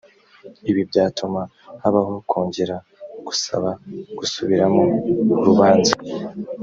ibi byatuma habaho kongera gusaba gusubiramo urubanza